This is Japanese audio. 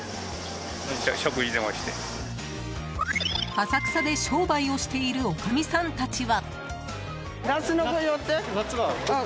浅草で商売をしているおかみさんたちは。